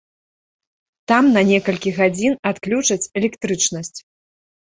Там на некалькі гадзін адключаць электрычнасць.